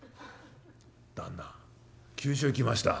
「旦那急所へきました。